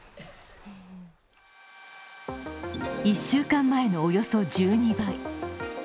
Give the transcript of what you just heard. １週間前のおよそ１２倍。